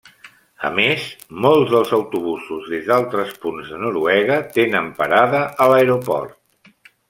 A més, molts dels autobusos des d'altres punts de Noruega tenen parada a l'aeroport.